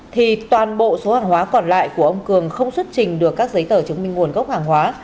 thì toàn bộ số hàng hóa còn lại của ông cường không xuất trình được các giấy tờ chứng minh nguồn gốc hàng hóa